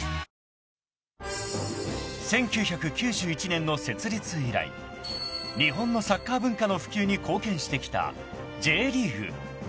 ［１９９１年の設立以来日本のサッカー文化の普及に貢献してきたＪリーグ］